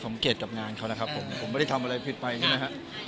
เกตกับงานเขานะครับผมผมไม่ได้ทำอะไรผิดไปใช่ไหมฮะ